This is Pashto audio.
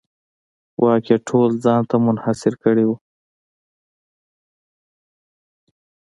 واک یې ټول ځان ته منحصر کړی و.